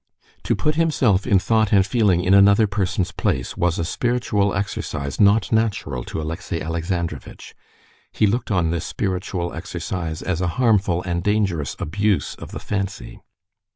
To put himself in thought and feeling in another person's place was a spiritual exercise not natural to Alexey Alexandrovitch. He looked on this spiritual exercise as a harmful and dangerous abuse of the fancy.